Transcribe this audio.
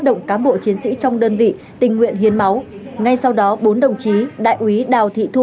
bộ chiến sĩ trong đơn vị tình nguyện hiến máu ngay sau đó bốn đồng chí đại quý đào thị thu